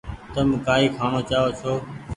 تم ڪآئي کآڻو چآئو ڇو ۔